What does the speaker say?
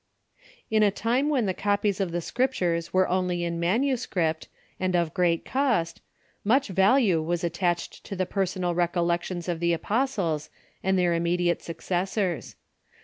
In a time when the copies of the Scriptures were only in manuscript, and of great cost, much value Avas attached to the T .■.. personal recollections of the apostles and their imme Tradition \. m t • diate successors.